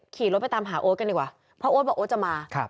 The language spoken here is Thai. ขี่รถไปตามหาโอ๊ตกันดีกว่าเพราะโอ๊ตบอกโอ๊ตจะมา